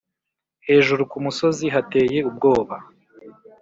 hejuru kumusozi hateye ubwoba